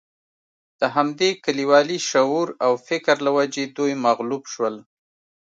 د همدې کلیوالي شعور او فکر له وجې دوی مغلوب شول.